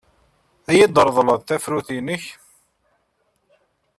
Ad iyi-d-treḍleḍ tafrut-nnek?